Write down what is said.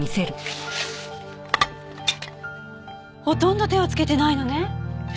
ほとんど手をつけてないのね。